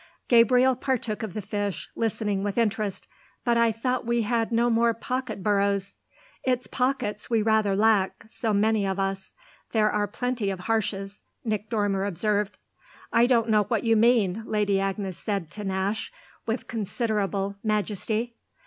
Gabriel partook of the fish, listening with interest. "But I thought we had no more pocket boroughs." "It's pockets we rather lack, so many of us. There are plenty of Harshes," Nick Dormer observed. "I don't know what you mean," Lady Agnes said to Nash with considerable majesty.